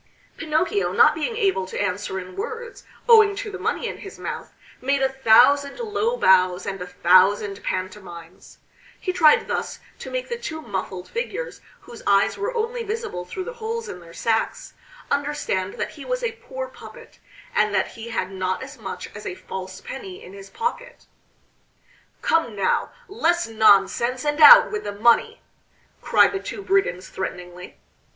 Pinocchio, not being able to answer in words, owing to the money in his mouth, made a thousand low bows and a thousand pantomimes. He tried thus to make the two muffled figures, whose eyes were only visible through the holes in their sacks, understand that he was a poor puppet, and that he had not as much as a false penny in his pocket. "Come now! Less nonsense and out with the money!" cried the two brigands threateningly.